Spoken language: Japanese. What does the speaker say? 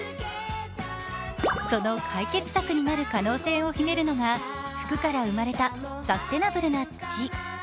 その解決策になる可能性を秘めるのが、服から生まれたサステナブルな土。